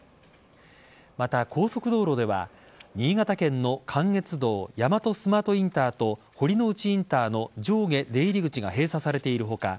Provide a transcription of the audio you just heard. また、高速道路では新潟県の関越道・大和スマートインターと堀之内インターの上下出入り口が閉鎖されている他